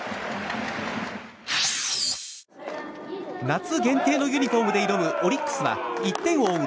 夏限定のユニホームで挑むオリックスは１点を追う